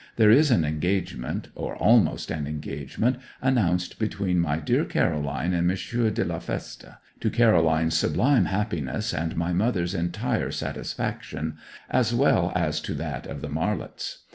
There is an engagement, or almost an engagement, announced between my dear Caroline and M. de la Feste to Caroline's sublime happiness, and my mother's entire satisfaction; as well as to that of the Marlets.